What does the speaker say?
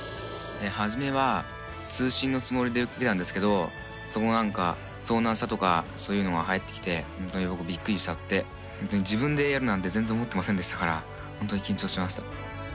初めは、通信のつもりで打ってたんですけど、なんか、遭難したとか、そういうのが入ってきて、本当にびっくりしちゃって、自分でやるなんて、全然思ってませんでしたから、本当に緊張しました。